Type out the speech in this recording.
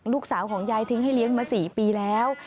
ยายของยายทิ้งให้เลี้ยงมา๔ปีแล้ว